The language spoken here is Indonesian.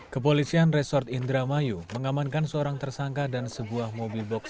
kepolisian resort indramayu mengamankan seorang tersangka dan sebuah mobil box